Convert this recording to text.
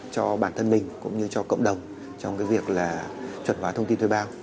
cho bản thân mình cũng như cho cộng đồng trong cái việc là chuẩn hóa thông tin thuê bao